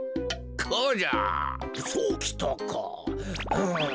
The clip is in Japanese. うん。